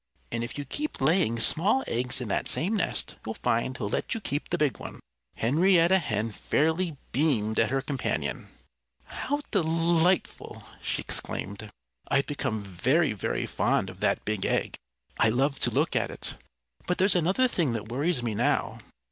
And if you keep laying small eggs in that same nest you'll find he'll let you keep the big one." Henrietta Hen fairly beamed at her companion. "How delightful!" she exclaimed. "I've become very, very fond of that big egg. I love to look at it. But there's another thing that worries me now.